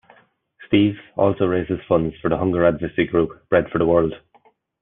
Steves also raises funds for the hunger advocacy group Bread for the World.